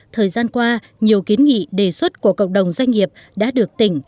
thời gian qua nhiều kiến nghị đề xuất của cộng đồng doanh nghiệp đã được tỉnh